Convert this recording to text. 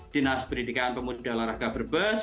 dinas pendidikan pemuda laraga berbes